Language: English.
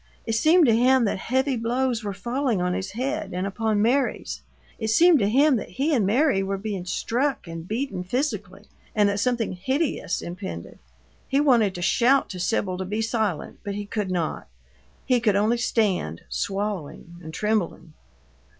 It seemed to him that heavy blows were falling on his head and upon Mary's; it seemed to him that he and Mary were being struck and beaten physically and that something hideous impended. He wanted to shout to Sibyl to be silent, but he could not; he could only stand, swallowing and trembling.